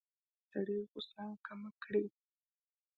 خوب د سړي غوسه کمه کړي